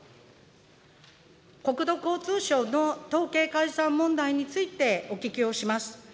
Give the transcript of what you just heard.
国土交通省の統計改ざん問題についてお聞きをします。